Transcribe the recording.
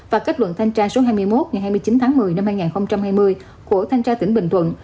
và kết luận thanh tra số hai mươi một ngày hai mươi chín tháng một mươi năm hai nghìn hai mươi của thanh tra tỉnh bình thuận